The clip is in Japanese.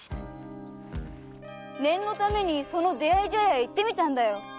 念のためにその出会い茶屋へ行ってみたんだよ。